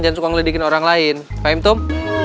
jangan suka ngeledekin orang lain fahimtum